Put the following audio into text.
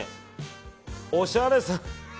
おしゃれさん。